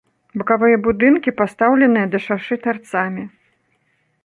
Бакавыя будынкі пастаўленыя да шашы тарцамі.